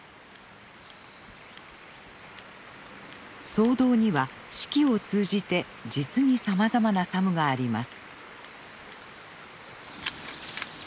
僧堂には四季を通じて実にさまざまな作務があります。